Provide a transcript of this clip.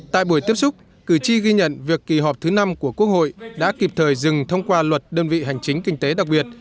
tại buổi tiếp xúc cử tri ghi nhận việc kỳ họp thứ năm của quốc hội đã kịp thời dừng thông qua luật đơn vị hành chính kinh tế đặc biệt